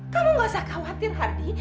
kamu nggak usah khawatir hardi